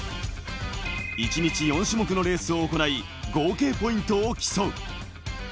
１日４種目のレースを行い、合計ポイントを競う。